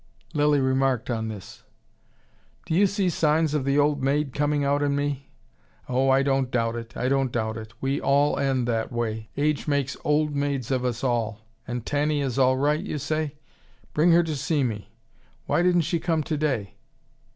Lilly remarked on this. "Do you see signs of the old maid coming out in me? Oh, I don't doubt it. I don't doubt it. We all end that way. Age makes old maids of us all. And Tanny is all right, you say? Bring her to see me. Why didn't she come today?"